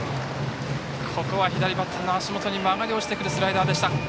ここは左バッターの足元に曲がり落ちてくるスライダー。